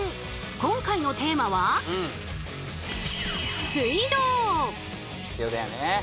今回のテーマは必要だよね。